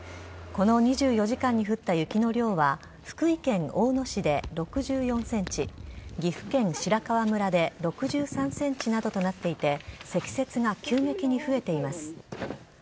この２４時間に降った雪の量は福井県大野市で６４ｃｍ岐阜県白川村で６３ｃｍなどとなっていて積雪が急激に増えています。